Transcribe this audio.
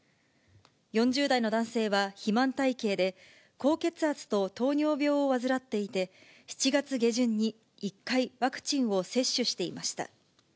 ４０代の男性は肥満体型で、高血圧と糖尿病を患っていて、７月下旬に１回ワクチンを接種していました。